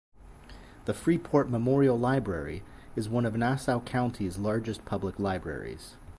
The Freeport Memorial Library is one of Nassau County's largest public libraries.